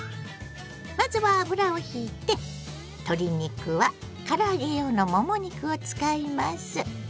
まずは油をひいて鶏肉はから揚げ用のもも肉を使います。